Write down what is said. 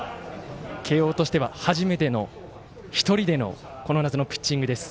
慶応としては初めての１人でのこの夏のピッチングです。